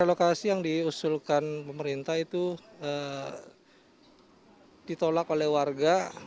relokasi yang diusulkan pemerintah itu ditolak oleh warga